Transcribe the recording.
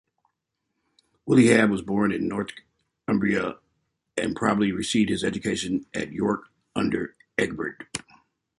Willehad was born in Northumbria and probably received his education at York under Ecgbert.